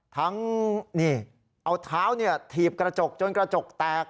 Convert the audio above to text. ทั้งเอาเท้าถีบกระจกจนกระจกแตก